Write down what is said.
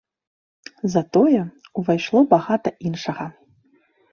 Затое, увайшло багата іншага.